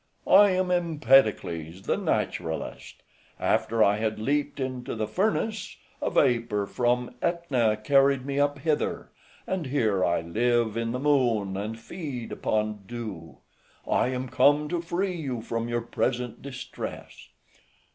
I am Empedocles, the naturalist: after I had leaped into the furnace, a vapour from AEtna carried me up hither, and here I live in the moon and feed upon dew: I am come to free you from your present distress."